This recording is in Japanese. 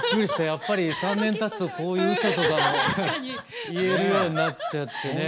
やっぱり３年たつとこういううそとかも言えるようになっちゃってね。